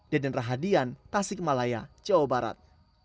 deden rahadian tasikmalaya jawa barat